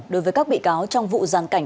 đối với các bị cáo trong vụ giàn cảnh